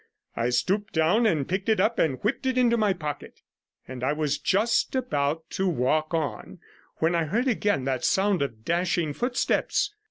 I stooped down and picked it up and whipped it into my pocket, and I was just about to walk on when I heard again that sound of dashing footsteps.